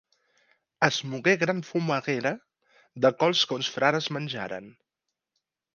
Es mogué gran fumaguera, de cols que uns frares menjaren.